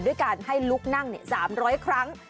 ด้วยการให้ลุกนั่ง๓๐๐ครั้ง